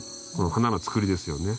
花のつくりですよね。